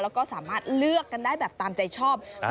แล้วก็สามารถเลือกกันได้แบบตามใจชอบ